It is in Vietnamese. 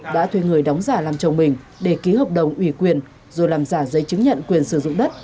đã thuê người đóng giả làm chồng mình để ký hợp đồng ủy quyền rồi làm giả giấy chứng nhận quyền sử dụng đất